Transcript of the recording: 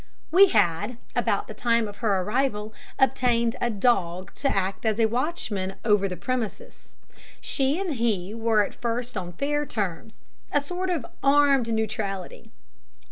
We had, about the time of her arrival, obtained a dog to act as a watchman over the premises. She and he were at first on fair terms a sort of armed neutrality.